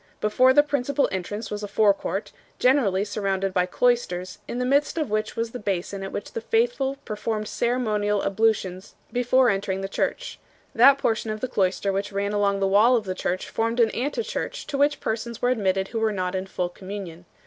Before the principal entrance was a forecourt, generally surrounded by cloisters, in the midst of which was the basin at which the faithful performed ceremonial ablutions before entering the church. That portion of the cloister which ran along the wall of the church formed an ante church to which persons were admitted who were not in full communion.